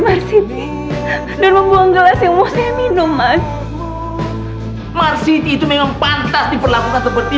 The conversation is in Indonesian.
marsibi dan membuang gelas yang mau saya minuman marsiti itu memang pantas diperlakukan seperti